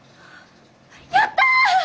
やった！